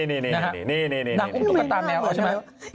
นี่นางอุ้มตุ๊กตาแมวเอาใช่ไหม